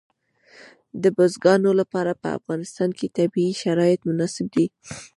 د بزګانو لپاره په افغانستان کې طبیعي شرایط مناسب دي.